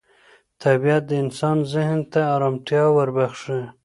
طبیعت د انسان ذهن ته ارامتیا وربخښي